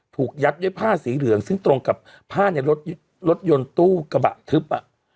ถูกยัดด้วยผ้าสีเหลืองซึ่งตรงกับผ้าในรถยนต์ตู้กระบะทึบ